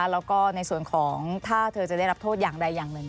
แล้วก็ในส่วนของถ้าเธอจะได้รับโทษอย่างใดอย่างหนึ่ง